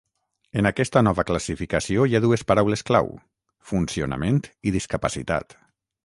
En aquesta nova classificació hi ha dues paraules clau: funcionament i discapacitat.